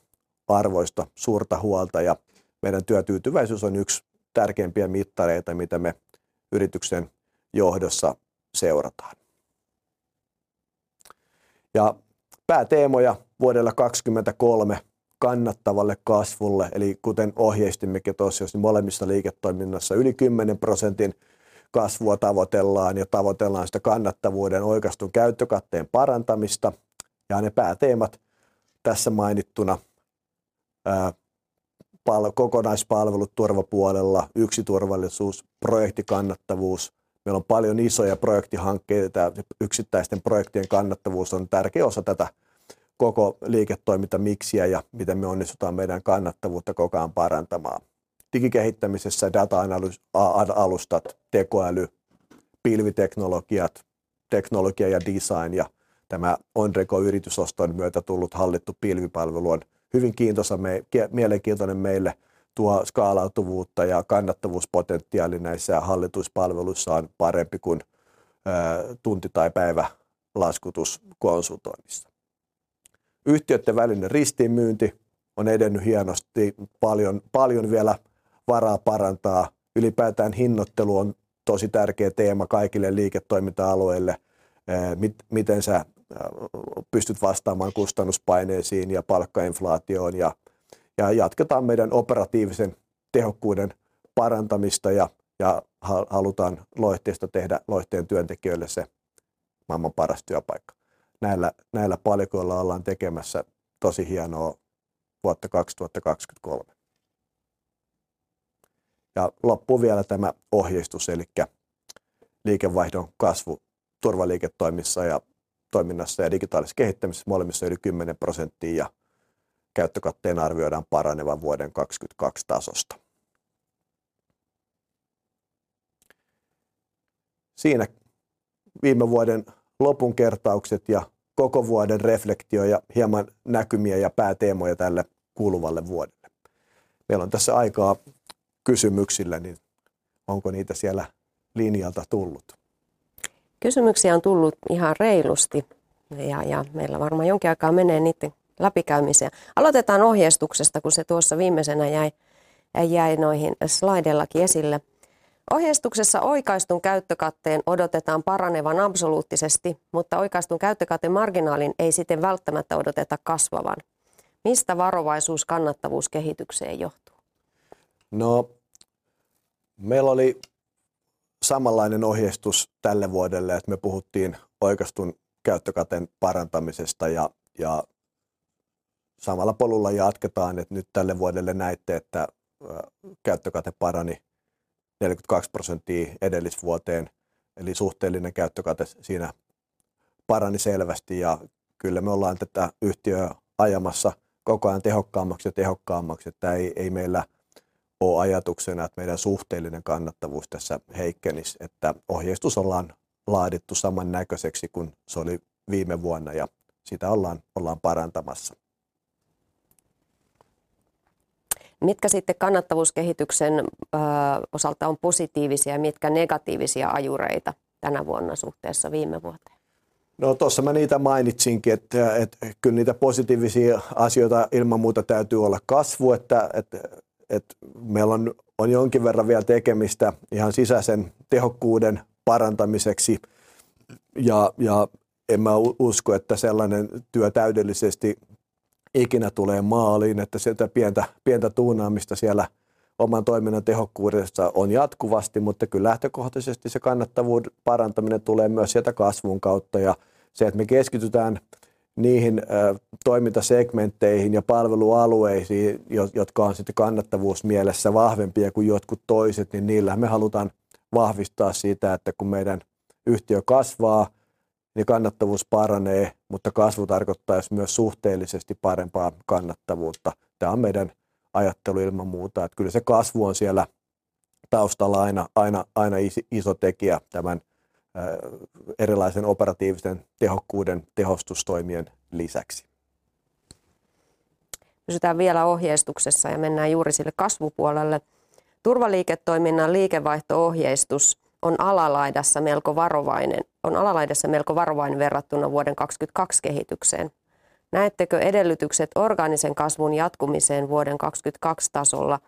arvoista suurta huolta. Meidän työtyytyväisyys on yksi tärkeimpiä mittareita, mitä me yrityksen johdossa seurataan. Pääteemoja vuodelle 2023 kannattavalle kasvulle. Eli kuten ohjeistimmekin tuossa, jos molemmissa liiketoiminnassa yli 10% kasvua tavoitellaan ja tavoitellaan sitä kannattavuuden oikaistun käyttökatteen parantamista. Jää ne pääteemat tässä mainittuna. Kokonaispalvelut turvapuolella, yksi turvallisuus, projektikannattavuus. Meillä on paljon isoja projektihankkeita ja yksittäisten projektien kannattavuus on tärkeä osa tätä koko liiketoimintamiksiä. Miten me onnistutaan meidän kannattavuutta koko ajan parantamaan. Digikehittämisessä data-alustat, tekoäly, pilviteknologiat, teknologia ja design. Tämä Onrego-yritysoston myötä tullut hallittu pilvipalvelu on hyvin kiintoisa, mielenkiintoinen meille. Tuo skaalautuvuutta ja kannattavuuspotentiaali näissä hallituissa palveluissa on parempi kuin tunti- tai päivälaskutuskonsultoinnissa. Yhtiöitten välinen ristiinmyynti on edennyt hienosti. Paljon vielä. Varaa parantaa. Ylipäätään hinnoittelu on tosi tärkeä teema kaikille liiketoiminta alueille. Miten sä pystyt vastaamaan kustannuspaineisiin ja palkkainflaatioon? Jatketaan meidän operatiivisen tehokkuuden parantamista ja halutaan Loihteesta tehdä Loihdeen työntekijöille se maailman paras työpaikka. Näillä palikoilla ollaan tekemässä tosi hienoa vuotta 2023. Loppuun vielä tämä ohjeistus elikkä liikevaihdon kasvu turvaliiketoimissa ja toiminnassa ja digitaalisessa kehittämisessä molemmissa yli 10% ja käyttökatteen arvioidaan paranevan vuoden 2022 tasosta. Siinä viime vuoden lopunkertaukset ja koko vuoden reflektio ja hieman näkymiä ja pääteemoja tälle kuluvalle vuodelle. Meillä on tässä aikaa kysymyksille, niin onko niitä siellä linjalta tullut? Kysymyksiä on tullut ihan reilusti ja meillä varmaan jonkin aikaa menee niitten läpikäymiseen. Aloitetaan ohjeistuksesta, kun se tuossa viimeisenä jäi noihin slaideillakin esille. Ohjeistuksessa oikaistun käyttökatteen odotetaan paranevan absoluuttisesti, mutta oikaistun käyttökatemarginaalin ei siten välttämättä odoteta kasvavan. Mistä varovaisuus kannattavuuskehitykseen johtuu? Meillä oli samanlainen ohjeistus tälle vuodelle, että me puhuttiin oikaistun käyttökateen parantamisesta ja samalla polulla jatketaan, että nyt tälle vuodelle näitte, että käyttökate parani 42% edellisvuoteen eli suhteellinen käyttökate siinä parani selvästi. Kyllä me ollaan tätä yhtiötä ajamassa koko ajan tehokkaammaksi ja tehokkaammaksi. Ei, ei meillä ole ajatuksena, että meidän suhteellinen kannattavuus tässä heikkenisi, että ohjeistus ollaan laadittu saman näköiseksi kuin se oli viime vuonna ja sitä ollaan parantamassa. Mitkä kannattavuuskehityksen osalta on positiivisia ja mitkä negatiivisia ajureita tänä vuonna suhteessa viime vuoteen? Tuossa mä niitä mainitsinkin, että kyllä niitä positiivisia asioita ilman muuta täytyy olla kasvu. Meillä on jonkin verran vielä tekemistä ihan sisäisen tehokkuuden parantamiseksi. En mä usko, että sellainen työ täydellisesti ikinä tulee maaliin. Sitä pientä tuunaamista siellä oman toiminnan tehokkuudessa on jatkuvasti. Kyllä lähtökohtaisesti se kannattavuuden parantaminen tulee myös sieltä kasvun kautta. Se, että me keskitytään niihin toimintasegmentteihin ja palvelualueisiin, jotka on sitten kannattavuusmielessä vahvempia kuin jotkut toiset, niin niillähän me halutaan vahvistaa sitä, että kun meidän yhtiö kasvaa, niin kannattavuus paranee. Kasvu tarkoittais myös suhteellisesti parempaa kannattavuutta. Tää on meidän ajattelu ilman muuta, että kyllä se kasvu on siellä taustalla aina iso tekijä tämän erilaisen operatiivisen tehokkuuden tehostustoimien lisäksi. Pysytään vielä ohjeistuksessa, mennään juuri sille kasvupuolelle. Turvaliiketoiminnan liikevaihto-ohjeistus on alalaidassa melko varovainen verrattuna vuoden 2022 kehitykseen. Näettekö edellytykset orgaanisen kasvun jatkumiseen vuoden 2022 tasolla,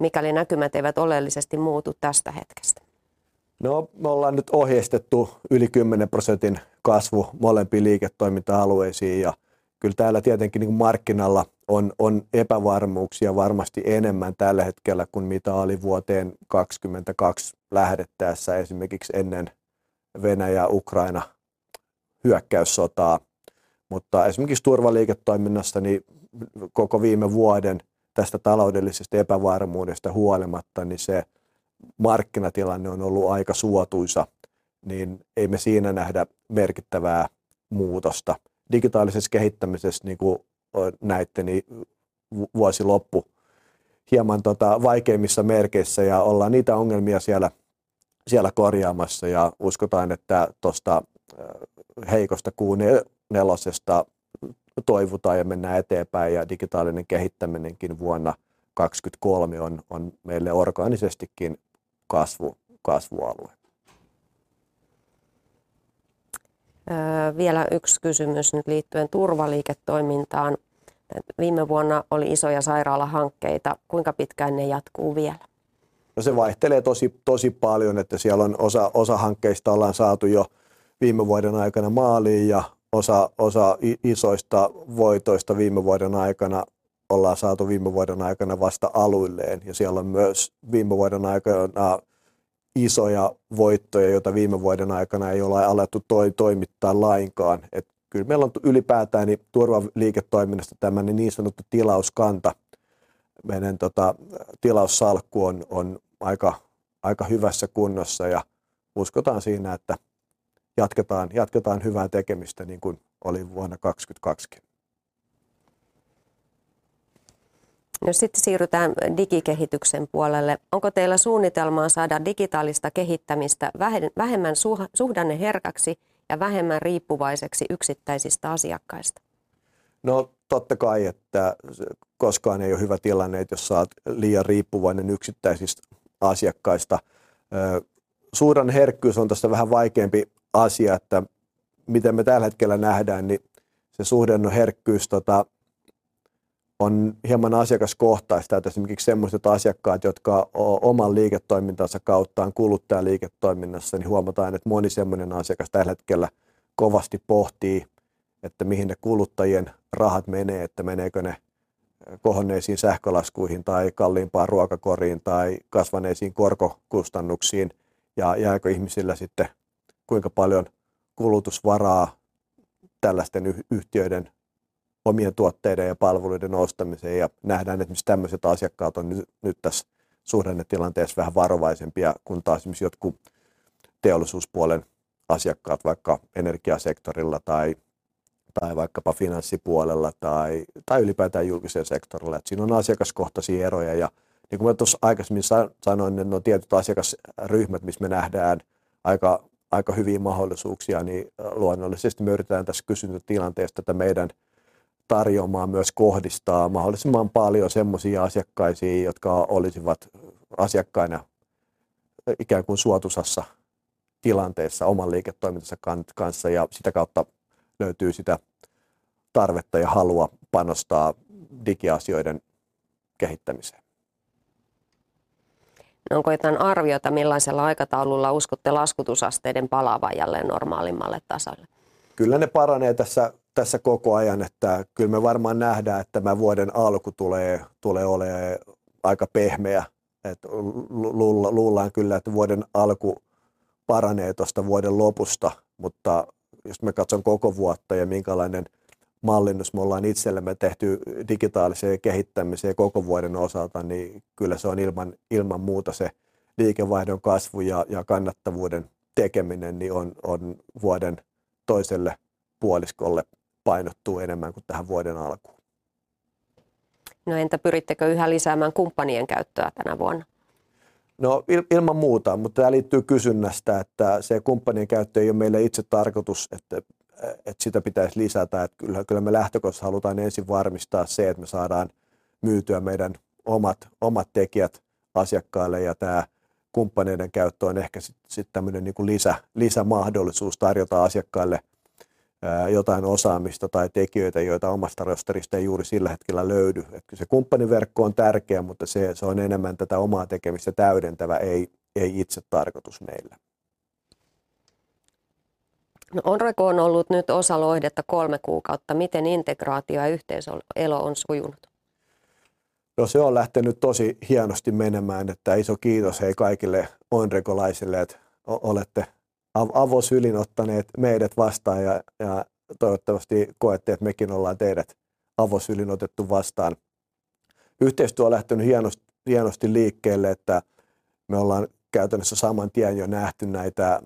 mikäli näkymät eivät oleellisesti muutu tästä hetkestä? Me ollaan nyt ohjeistettu yli 10% kasvu molempiin liiketoiminta-alueisiin. Kyllä täällä tietenkin niinku markkinalla on epävarmuuksia varmasti enemmän tällä hetkellä kuin mitä oli vuoteen 2022 lähdettäessä esimerkiksi ennen Venäjä Ukraina hyökkäyssotaa. Esimerkiksi turvaliiketoiminnassa niin koko viime vuoden tästä taloudellisesta epävarmuudesta huolimatta, niin se markkinatilanne on ollut aika suotuisa, niin ei me siinä nähdä merkittävää muutosta. Digitaalisessa kehittämisessä niinku näette, niin vuosi loppu hieman tota vaikeammissa merkeissä ja ollaan niitä ongelmia siellä korjaamassa ja uskotaan, että tosta heikosta Q4:stä toivutaan ja mennään eteenpäin. Digitaalinen kehittäminenkin vuonna 2023 on meille orgaanisestikin kasvualue. Vielä yksi kysymys nyt liittyen turvaliiketoimintaan. Viime vuonna oli isoja sairaalahankkeita. Kuinka pitkään ne jatkuu vielä? Se vaihtelee tosi paljon, että siellä on osa hankkeista ollaan saatu jo viime vuoden aikana maaliin ja osa isoista voitoista viime vuoden aikana ollaan saatu viime vuoden aikana vasta aluilleen ja siellä on myös viime vuoden aikana isoja voittoja, joita viime vuoden aikana ei olla alettu toimittaa lainkaan. Kyllä meillä on ylipäätään niin turvaliiketoiminnassa tämä niin sanottu tilauskanta. Meidän tota tilaussalkku on aika hyvässä kunnossa ja uskotaan siinä, että jatketaan hyvää tekemistä niin kuin oli vuonna 2022:kin. Sitten siirrytään digikehityksen puolelle. Onko teillä suunnitelmaa saada digitaalista kehittämistä vähemmän suhdanneherkäksi ja vähemmän riippuvaiseksi yksittäisistä asiakkaista? Totta kai, että koskaan ei ole hyvä tilanne, että jos sä oot liian riippuvainen yksittäisistä asiakkaista. Suhdanneherkkyys on tässä vähän vaikeampi asia. Miten me tällä hetkellä nähdään, niin se suhdanneherkkyys tota on hieman asiakaskohtaista. Esimerkiksi semmoiset asiakkaat, jotka on oman liiketoimintansa kautta on kuluttajaliiketoiminnassa, niin huomataan, että moni semmonen asiakas tällä hetkellä kovasti pohtii, että mihin ne kuluttajien rahat menee. Meneekö ne kohonneisiin sähkölaskuihin tai kalliimpaan ruokakoriin tai kasvaneisiin korkokustannuksiin. Jääkö ihmisillä sitten kuinka paljon kulutusvaraa tällaisten yhtiöiden omien tuotteiden ja palveluiden ostamiseen. Nähdään, että esimerkiksi tämmöiset asiakkaat on nyt tässä suhdannetilanteessa vähän varovaisempia kuin taas esimerkiksi jotkut teollisuuspuolen asiakkaat vaikka energiasektorilla tai vaikkapa finanssipuolella tai ylipäätään julkisella sektorilla. Siinä on asiakaskohtaisia eroja. Niin kuin mä tuossa aikaisemmin sanoin, niin nuo tietyt asiakasryhmät missä me nähdään aika hyviä mahdollisuuksia, niin luonnollisesti me yritetään tässä kysyntätilanteessa tätä meidän tarjoamaa myös kohdistaa mahdollisimman paljon semmoisiin asiakkaisiin, jotka olisivat asiakkaina ikään kuin suotuisassa tilanteessa oman liiketoimintansa kanssa ja sitä kautta löytyy sitä tarvetta ja halua panostaa digiasioiden kehittämiseen. Onko jotain arviota, millaisella aikataululla uskotte laskutusasteiden palaavan jälleen normaalimmalle tasolle? Kyllä ne paranee tässä koko ajan. Kyllä me varmaan nähdään, että tämän vuoden alku tulee oleen aika pehmeä. Luullaan kyllä, että vuoden alku paranee tuosta vuoden lopusta, mutta jos mä katson koko vuotta ja minkälainen mallinnus me ollaan itsellemme tehty digitaaliseen kehittämiseen koko vuoden osalta, niin kyllä se on ilman muuta se liikevaihdon kasvu ja kannattavuuden tekeminen niin on vuoden toiselle puoliskolle painottuu enemmän kuin tähän vuoden alkuun. No entä pyrittekö yhä lisäämään kumppanien käyttöä tänä vuonna? Ilman muuta. Tää liittyy kysynnästä, että se kumppanien käyttö ei ole meille itsetarkoitus, että sitä pitäisi lisätä. Kyllä me lähtökohtaisesti halutaan ensin varmistaa se, että me saadaan myytyä meidän omat tekijät asiakkaille ja tää kumppaneiden käyttö on ehkä sit tämmöinen niinku lisämahdollisuus tarjota asiakkaille jotain osaamista tai tekijöitä, joita omasta rosterista ei juuri sillä hetkellä löydy. Kyllä se kumppaniverkko on tärkeä, se on enemmän tätä omaa tekemistä täydentävä. Ei itsetarkoitus meillä. Onrego on ollut nyt osa Loihdetta 3 kuukautta. Miten integraatio ja yhteiselo on sujunut? Se on lähtenyt tosi hienosti menemään, että iso kiitos kaikille Onrego-laisille, että olette avosylin ottaneet meidät vastaan ja toivottavasti koette, että mekin ollaan teidät avosylin otettu vastaan. Yhteistyö on lähtenyt hienosti liikkeelle, että me ollaan käytännössä saman tien jo nähty näitä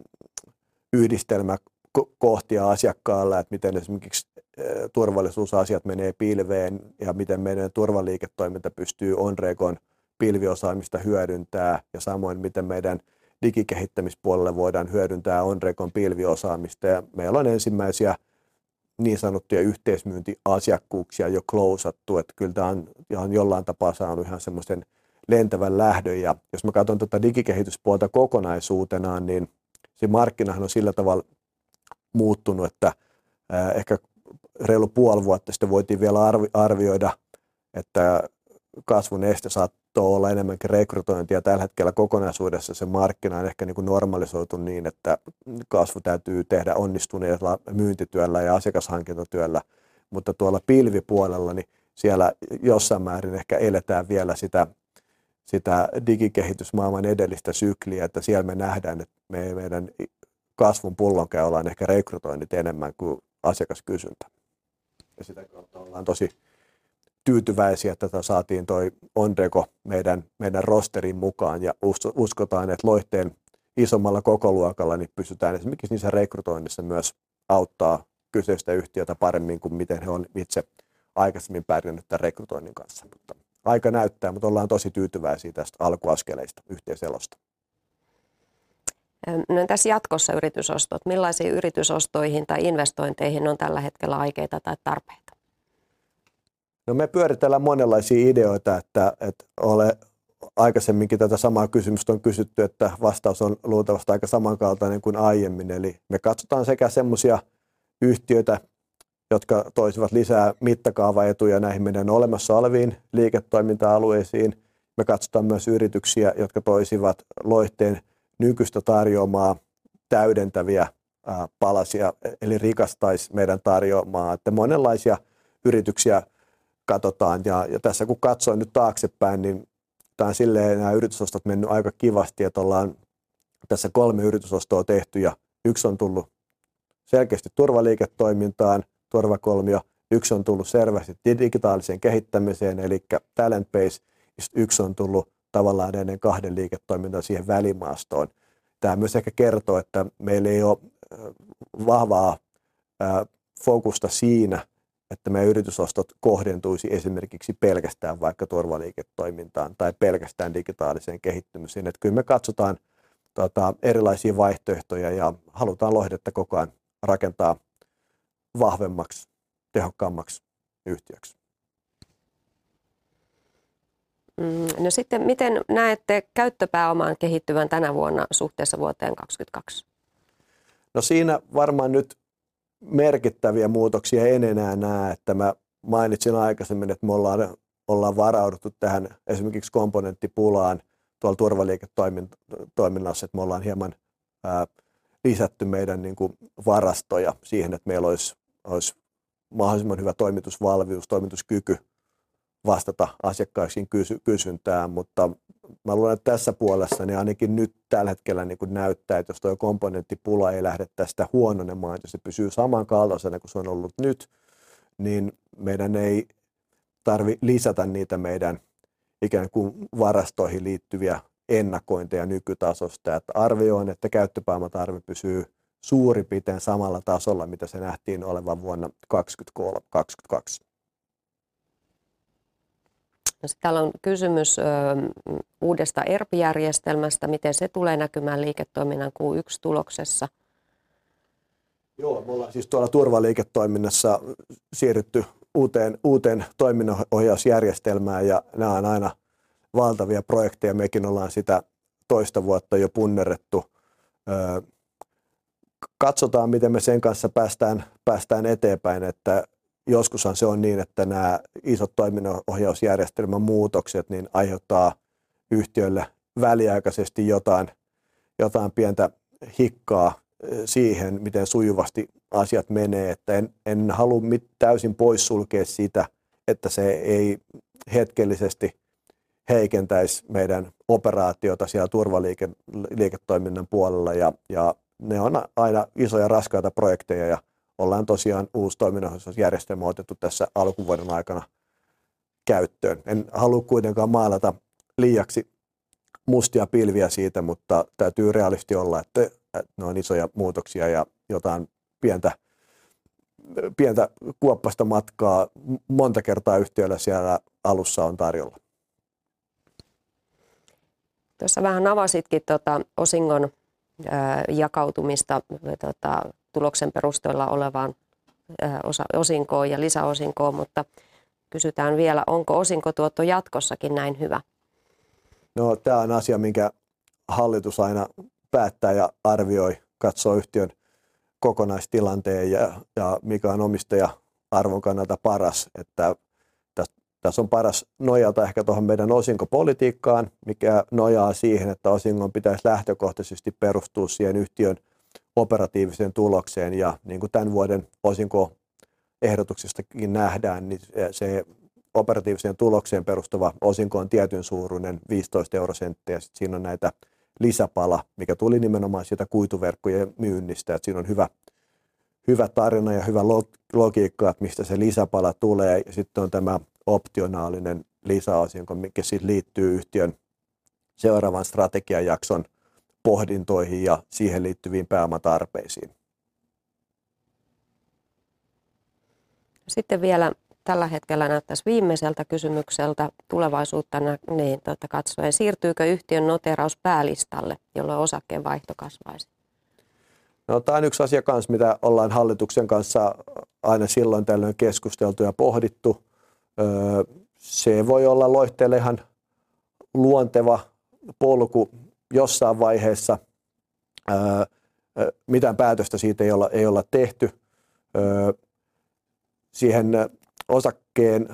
yhdistelmäkohtia asiakkaalla, että miten esimerkiksi turvallisuusasiat menee pilveen ja miten meidän turvaliiketoiminta pystyy Onrego pilviosaamista hyödyntää ja samoin miten meidän digikehittämispuolella voidaan hyödyntää Onrego pilviosaamista. Meillä on ensimmäisiä niin sanottuja yhteismyyntiasiakkuuksia jo klousattu, että kyllä tää on ihan jollain tapaa saanut ihan semmoisen lentävän lähdön. Jos mä katson tuota digikehityspuolta kokonaisuutenaan, niin se markkinahan on sillä tavalla muuttunut, että ehkä reilu puoli vuotta sitten voitiin vielä arvioida, että kasvun este saattoi olla enemmänkin rekrytointia. Tällä hetkellä kokonaisuudessa se markkina on ehkä niinku normalisoitu niin, että kasvu täytyy tehdä onnistuneella myyntityöllä ja asiakashankintatyöllä. Tuolla pilvipuolella, niin siellä jossain määrin ehkä eletään vielä sitä digikehitysmaailman edellistä sykliä, että siellä me nähdään, että me ei meidän kasvun pullonkaula on ehkä rekrytoinnit enemmän kuin asiakaskysyntä ja sitä kautta ollaan tosi tyytyväisiä, että saatiin toi Onrego meidän rosteriin mukaan ja uskotaan, että Loihteen isommalla kokoluokalla niin pystytään esimerkiksi niissä rekrytoinneissa myös auttaa kyseistä yhtiötä paremmin kuin miten he on itse aikaisemmin pärjännyt tän rekrytoinnin kanssa. Aika näyttää. Ollaan tosi tyytyväisiä tästä alkuaskeleista, yhteiselosta. No entäs jatkossa yritysostot? Millaisiin yritysostoihin tai investointeihin on tällä hetkellä aikeita tai tarpeita? Me pyöritellään monenlaisia ideoita, että aikaisemminkin tätä samaa kysymystä on kysytty, että vastaus on luultavasti aika samankaltainen kuin aiemmin. Me katsotaan sekä semmoisia yhtiöitä, jotka toisivat lisää mittakaavaetuja näihin meidän olemassa oleviin liiketoiminta-alueisiin. Me katsotaan myös yrityksiä, jotka toisivat Loihdeen nykyistä tarjoamaa täydentäviä palasia eli rikastaisi meidän tarjoamaa. Monenlaisia yrityksiä katsotaan. Tässä kun katsoo nyt taaksepäin, niin tää on silleen nää yritysostot mennyt aika kivasti, että ollaan tässä 3 yritysostoa tehty ja yksi on tullut selkeästi turvaliiketoimintaan. Turvakolmio. Yksi on tullut selvästi digitaaliseen kehittämiseen eli Talent Base ja sitten yksi on tullut tavallaan näiden kahden liiketoiminnan siihen välimaastoon. Tää myös ehkä kertoo, että meillä ei oo vahvaa fokusta siinä, että meidän yritysostot kohdentuisi esimerkiksi pelkästään vaikka turvaliiketoimintaan tai pelkästään digitaaliseen kehittämiseen. Kyllä me katsotaan tota erilaisia vaihtoehtoja ja halutaan Loihdetta koko ajan rakentaa vahvemmaksi, tehokkaammaksi yhtiöksi. Miten näette käyttöpääoman kehittyvän tänä vuonna suhteessa vuoteen 2022? Siinä varmaan nyt merkittäviä muutoksia en enää näe, että mä mainitsin aikaisemmin, että me ollaan varauduttu tähän esimerkiksi komponenttipulaan tuol turvaliiketoimen toiminnassa, että me ollaan hieman lisätty meidän niinku varastoja siihen, että meillä olisi mahdollisimman hyvä toimitusvalmius, toimituskyky vastata asiakkaiden kysyntään. Mä luulen, että tässä puolessa niin ainakin nyt tällä hetkellä niinku näyttää, että jos tuo komponenttipula ei lähde tästä huononemaan, jos se pysyy samankaltaisena kuin se on ollut nyt, niin meidän ei tarvi lisätä niitä meidän ikään kuin varastoihin liittyviä ennakointeja nykytasosta. Arvioin, että käyttöpääoman tarve pysyy suurin piirtein samalla tasolla mitä se nähtiin olevan vuonna 2022. Täällä on kysymys uudesta ERP-järjestelmästä. Miten se tulee näkymään liiketoiminnan Q1-tuloksessa? Joo, me ollaan siis tuolla turvaliiketoiminnassa siirrytty uuteen toiminnanohjausjärjestelmään ja nää on aina valtavia projekteja. Mekin ollaan sitä toista vuotta jo punnerrettu. Katsotaan miten me sen kanssa päästään eteenpäin, että joskushan se on niin, että nää isot toiminnanohjausjärjestelmämuutokset niin aiheuttaa yhtiölle väliaikaisesti jotain pientä hikkaa siihen, miten sujuvasti asiat menee. En halua täysin poissulkea sitä, että se ei hetkellisesti heikentäisi meidän operaatiota siellä turvaliiketoiminnan puolella. Ne on aina isoja raskaita projekteja. Ollaan tosiaan uusi toiminnanohjausjärjestelmä otettu tässä alkuvuoden aikana käyttöön. En halua kuitenkaan maalata liiaksi mustia pilviä siitä, mutta täytyy realistisesti olla, että ne on isoja muutoksia ja jotain pientä kuoppaista matkaa monta kertaa yhtiöllä siellä alussa on tarjolla. Tuossa vähän avasitkin tuota osingon jakautumista tota tuloksen perusteella olevaan osinkoon ja lisäosingoon, mutta kysytään vielä, onko osinkotuotto jatkossakin näin hyvä? Tämä on asia minkä hallitus aina päättää ja arvioi. Katsoo yhtiön kokonaistilanteen ja mikä on omistaja-arvon kannalta paras. Tässä on paras nojata ehkä tuohon meidän osinkopolitiikkaan, mikä nojaa siihen, että osingon pitäisi lähtökohtaisesti perustua siihen yhtiön operatiiviseen tulokseen. Niin kuin tämän vuoden osinkoehdotuksestakin nähdään, niin se operatiiviseen tulokseen perustuva osinko on tietyn suuruinen EUR 0.15. Sitten siinä on näitä lisäpala, mikä tuli nimenomaan siitä kuituverkkojen myynnistä. Siinä on hyvä tarina ja hyvä logiikka, että mistä se lisäpala tulee. Sitten on tämä optionaalinen lisäosinko, mikä sitten liittyy yhtiön seuraavan strategiajakson pohdintoihin ja siihen liittyviin pääomatarpeisiin. Vielä tällä hetkellä näyttäisi viimeiseltä kysymykseltä tulevaisuutta katsoen. Siirtyykö yhtiön noteeraus päälistalle, jolloin osakevaihto kasvaisi? No tämä on yksi asia kanssa mitä ollaan hallituksen kanssa aina silloin tällöin keskusteltu ja pohdittu. se voi olla Loihde ihan luonteva polku jossain vaiheessa. mitään päätöstä siitä ei olla tehty. siihen osakkeen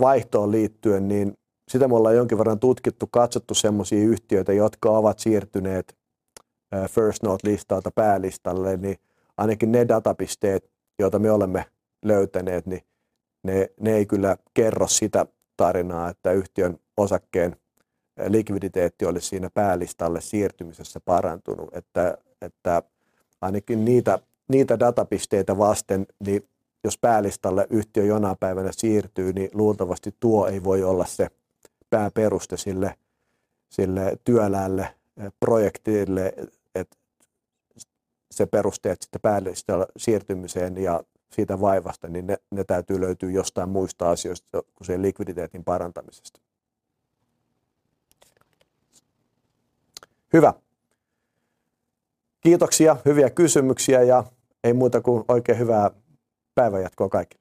vaihtoon liittyen, niin sitä me ollaan jonkin verran tutkittu. Katsottu semmosia yhtiöitä, jotka ovat siirtyneet First North -listalta päälistalle. Niin ainakin ne datapisteet, joita me olemme löytäneet, niin ne ei kyllä kerro sitä tarinaa, että yhtiön osakkeen likviditeetti olisi siinä päälistalle siirtymisessä parantunut. Että ainakin niitä datapisteitä vasten, niin jos päälistalle yhtiö jonain päivänä siirtyy, niin luultavasti tuo ei voi olla se pääperuste sille työläälle projektille, et se peruste, että päälistalle siirtymiseen ja siitä vaivasta, niin ne täytyy löytyä jostain muista asioista kuin sen likviditeetin parantamisesta. Hyvä. Kiitoksia hyviä kysymyksiä ei muuta kuin oikein hyvää päivänjatkoa kaikille!